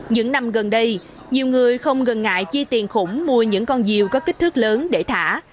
những năm gần đây nhiều người không gần ngại chi tiền khủng mua những con diều có kích thước lớn để thả